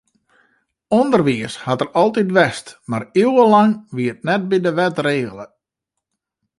Underwiis hat der altyd west, mar iuwenlang wie it net by de wet regele.